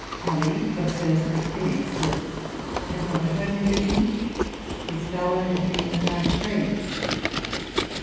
TuUy observes of Achilles, that had not Homer writte his valour had been without praise.